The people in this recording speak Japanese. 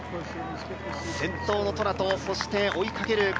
先頭のトラと追いかける